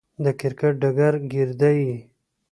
د کرکټ ډګر ګيردى يي.